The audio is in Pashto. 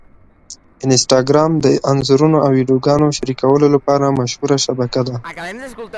انسټاګرام د انځورونو او ویډیوګانو شریکولو لپاره مشهوره شبکه ده.